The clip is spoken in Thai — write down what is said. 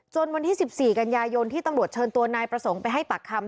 วันที่๑๔กันยายนที่ตำรวจเชิญตัวนายประสงค์ไปให้ปากคำ